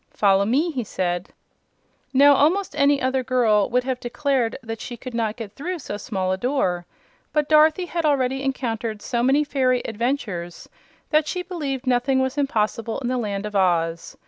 "Follow me," he said. Now, almost any other little girl would have declared that she could not get through so small a door; but Dorothy had already encountered so many fairy adventures that she believed nothing was impossible in the Land of Oz.